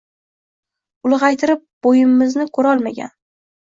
Ulgaytirb buyimizni kurolmagan